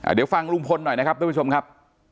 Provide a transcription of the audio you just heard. เดี๋ยวฟังลุงพลหน่อยนะครับทุกผู้ชมครับ